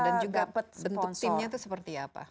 dan juga bentuk timnya itu seperti apa